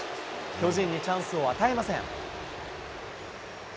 巨人にチャンスを与えません。